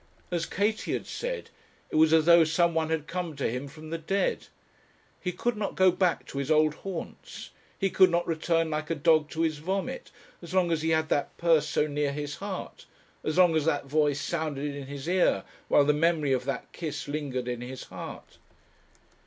As Katie had said, it was as though some one had come to him from the dead. He could not go back to his old haunts, he could not return like a dog to his vomit, as long as he had that purse so near his heart, as long as that voice sounded in his ear, while the memory of that kiss lingered in his heart.